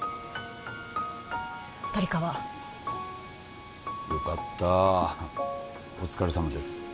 鶏皮よかったお疲れさまです